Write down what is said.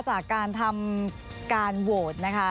จากการทำการโหวตนะคะ